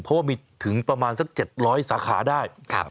เพราะว่ามีถึงประมาณสัก๗๐๐สาขาได้